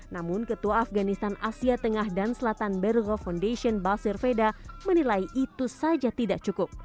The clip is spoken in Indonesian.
namun ketua afganistan asia tengah dan selatan bergo foundation basir veda menilai itu saja tidak cukup